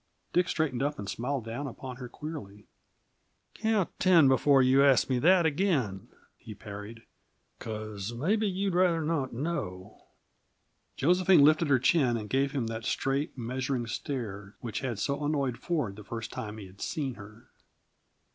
Dick straightened up and smiled down upon her queerly. "Count ten before you ask me that again," he parried, "because maybe you'd rather not know." Josephine lifted her chin and gave him that straight, measuring stare which had so annoyed Ford the first time he had seen her.